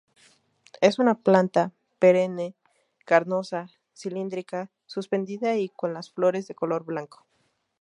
Es una planta perenne carnosa, cilíndrica-suspendida y con las flores de color blanco.